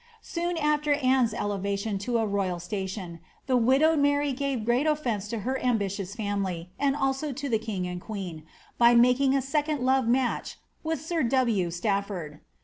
Soon after Anne's elevation to a royal station, the widowed Mary gave great ofience to her ambitious &mily, and also to the king and queen, by making a second love match with sir W. Stafibrd.